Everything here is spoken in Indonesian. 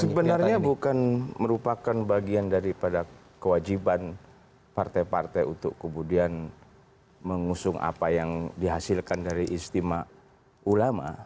sebenarnya bukan merupakan bagian daripada kewajiban partai partai untuk kemudian mengusung apa yang dihasilkan dari istimewa ulama